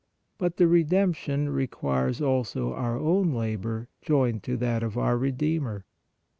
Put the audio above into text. But the Redemption requires also our own labor joined to that of our Redeemer.